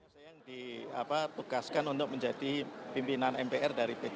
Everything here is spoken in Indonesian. saya yang ditugaskan untuk menjadi pimpinan mpr dari p tiga